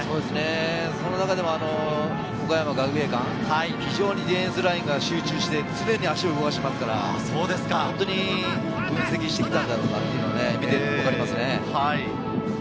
その中でも岡山学芸館、ディフェンスラインが集中して、常に足を動かしていますから、本当に分析して来たんだろうなということが見ていて分かりますね。